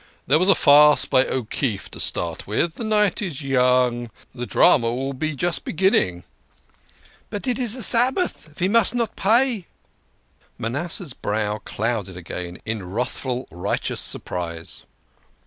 "There was a farce by O'Keefe to start with. The night is yet young. The drama will be just beginning." "But it is de Sabbath ve must not pay." Manasseh's brow clouded again in wrathful righteous sur prise.